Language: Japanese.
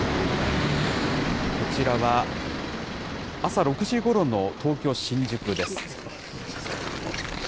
こちらは朝６時ごろの東京・新宿です。